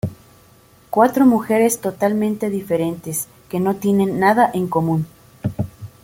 Cuatro mujeres totalmente diferentes, que no tienen nada en común.